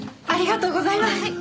ありがとうございます！